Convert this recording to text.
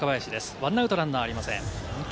１アウトランナーありません。